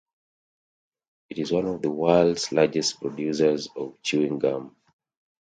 It is one of the world's largest producers of chewing gum.